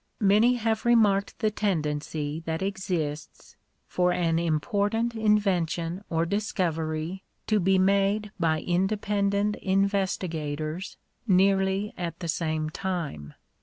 Many have remarked the tendency that exists for an important invention or discovery to be made by independent investigators nearly at the same time.